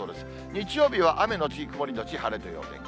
日曜日は雨後曇り後晴れというお天気。